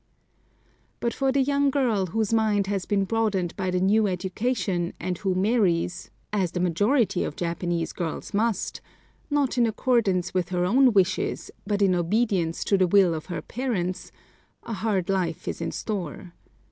But for the young girl whose mind has been broadened by the new education, and who marries, as the majority of Japanese girls must, not in accordance with her own wishes, but in obedience to the will of her parents, a hard life is in store.